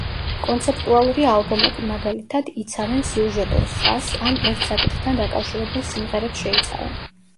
კონცეპტუალური ალბომები, მაგალითად, იცავენ სიუჟეტურ ხაზს ან ერთ საკითხთან დაკავშირებულ სიმღერებს შეიცავენ.